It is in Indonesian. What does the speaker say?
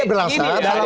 tapi terlalu banyak